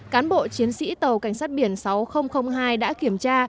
cán bộ chiến sĩ tàu cảnh sát biển sáu nghìn hai đã kiểm tra